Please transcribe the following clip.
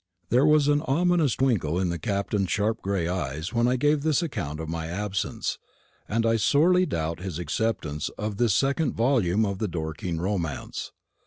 There was an ominous twinkle in the Captain's sharp gray eyes when I gave this account of my absence, and I sorely doubt his acceptance of this second volume of the Dorking romance.